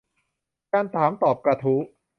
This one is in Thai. การถามตอบกระทู้